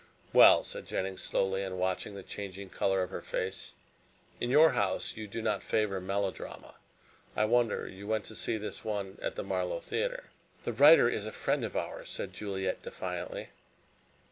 "Well," said Jennings slowly, and watching the changing color of her face, "in your house you do not favor melodrama. I wonder you went to see this one at the Marlow Theatre." "The writer is a friend of ours," said Juliet defiantly.